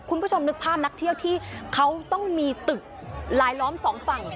คุณผู้ชมนึกภาพนักเที่ยวที่เขาต้องมีตึกลายล้อมสองฝั่ง